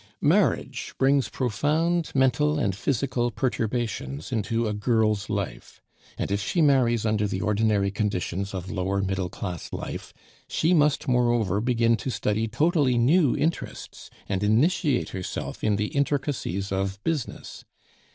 Marriage brings profound mental and physical perturbations into a girl's life; and if she marries under the ordinary conditions of lower middle class life, she must moreover begin to study totally new interests and initiate herself in the intricacies of business.